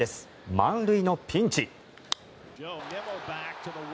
満塁のピンチ。